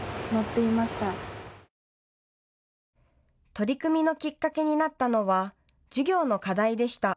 取り組みのきっかけになったのは授業の課題でした。